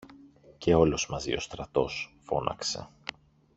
Και όλος μαζί ο στρατός φώναξε